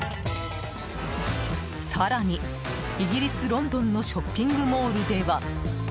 更にイギリス・ロンドンのショッピングモールでは。